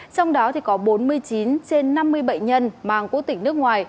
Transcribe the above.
trong đó có bốn mươi chín trên năm mươi bệnh nhân mang quốc tỉnh nước ngoài